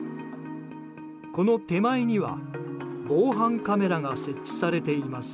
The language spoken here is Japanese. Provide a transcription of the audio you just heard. この手前には防犯カメラが設置されています。